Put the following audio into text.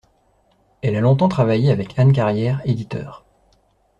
Elle a longtemps travaillé avec Anne Carrière, éditeur.